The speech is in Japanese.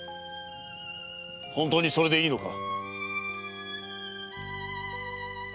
本当にそれでいいのか？